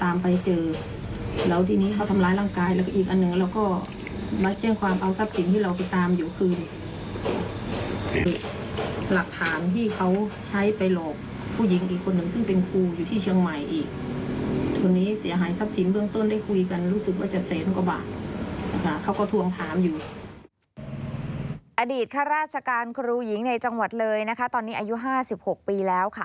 ข้าราชการครูหญิงในจังหวัดเลยนะคะตอนนี้อายุ๕๖ปีแล้วค่ะ